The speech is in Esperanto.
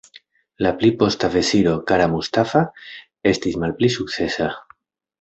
La pli posta veziro "Kara Mustafa" estis malpli sukcesa.